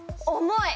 重い？